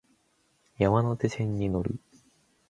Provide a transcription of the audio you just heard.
山手線に乗る